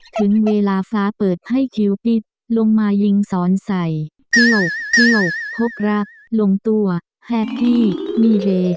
ถึงเวลาฟ้าเปิดให้คิวปิดลงมายิงสอนใส่เที่ยวเที่ยวพบรักลงตัวแฮปปี้มีเล